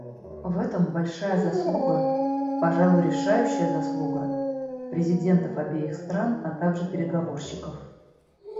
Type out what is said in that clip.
В этом большая заслуга, пожалуй решающая заслуга, президентов обеих стран, а также переговорщиков.